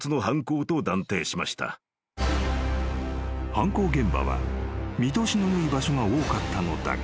［犯行現場は見通しの良い場所が多かったのだが］